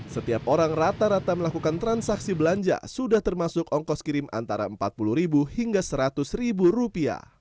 setiap orang rata rata melakukan transaksi belanja sudah termasuk ongkos kirim antara rp empat puluh hingga rp seratus